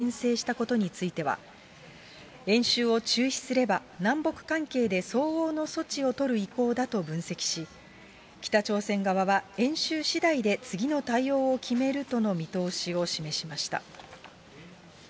ヨジョン氏が国営メディアを通じ、米韓の合同軍事演習をけん制したことについては、演習を中止すれば、南北関係で相応の措置を取る意向だと分析し、北朝鮮側は、演習しだいで次の対応を決めるとの見通しを示しました。